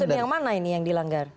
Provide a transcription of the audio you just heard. kemudian yang mana ini yang dilanggar